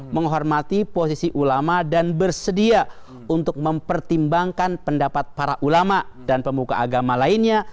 menghormati posisi ulama dan bersedia untuk mempertimbangkan pendapat para ulama dan pemuka agama lainnya